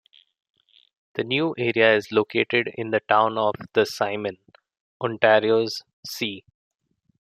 The new area is located in the town of the Simon, Ontario's C.